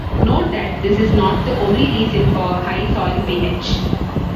Note that this is not the only reason for a high soil pH.